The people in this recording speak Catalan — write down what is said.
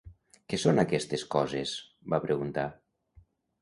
"Què són aquestes coses?" va preguntar.